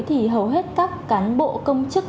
thì hầu hết các cán bộ công chức